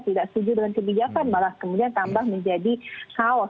tidak setuju dengan kebijakan malah kemudian tambah menjadi kaos